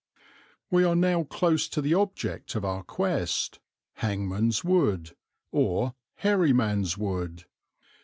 We are now close to the object of our quest, "Hangman's Wood" or "Hairy Man's" Wood.